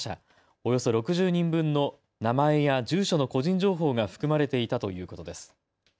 およそ６０人分の名前や住所の個人情報が含まれていたということです。